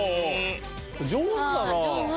上手だな。